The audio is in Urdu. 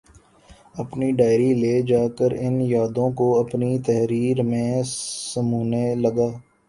اپنی ڈائری لے جا کر ان یادوں کو اپنی تحریر میں سمونے لگا